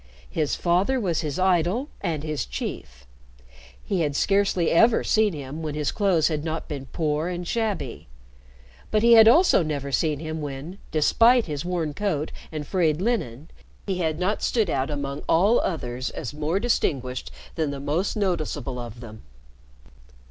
His father was his idol and his chief. He had scarcely ever seen him when his clothes had not been poor and shabby, but he had also never seen him when, despite his worn coat and frayed linen, he had not stood out among all others as more distinguished than the most noticeable of them.